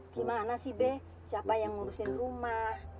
gimana sih be siapa yang ngurusin rumah